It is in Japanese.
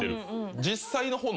実際の炎？